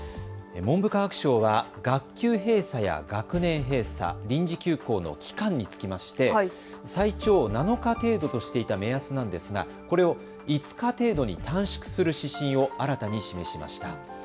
文部科学省は学級閉鎖や学年閉鎖、臨時休校の期間につきまして最長７日程度としていた目安なんですが、これを５日程度に短縮する指針を新たに示しました。